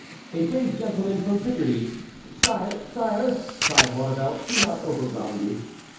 "A brave gentleman from Picardy"— "Sire, sire!" cried Maurevel, "do not overwhelm me."